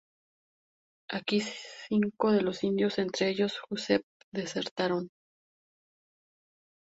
Aquí cinco de los indios, entre ellos Jusepe, desertaron.